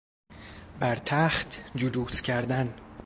بر تخت جلوس کردن